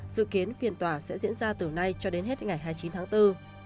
dự kiến phiên tòa sẽ diễn ra từ nay cho đến hết ngày hai mươi chín tháng bốn